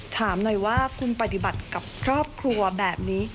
ถามหน่อยว่าคุณปฏิบัติกับครอบครัวแบบนี้